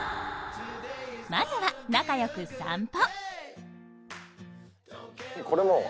まずは、仲良く散歩。